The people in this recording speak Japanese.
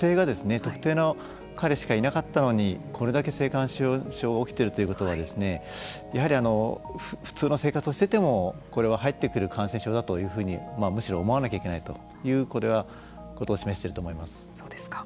特定の彼しかいなかったのにこれだけ性感染症が起きているということはやはり普通の生活をしててもこれは入ってくる感染症だというふうにむしろ思わなきゃいけないというこれはそうですか。